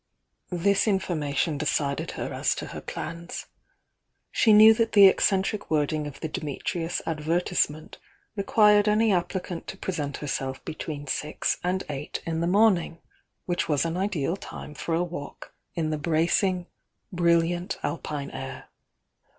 This information decided her as to her plans. She knew that the eccentric wording of the Dimitrius advertisement required any applicant to present her self between six and eight in the morning, which was an ideal time for a walk in the bracing, brilliant Alpine air.